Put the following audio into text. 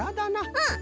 うん。